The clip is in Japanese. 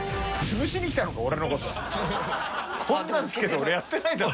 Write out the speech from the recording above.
こんなんつけて俺やってないだろ。